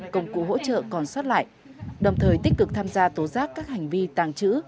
công cụ hỗ trợ còn xót lại đồng thời tích cực tham gia tố giác các hành vi tàng trữ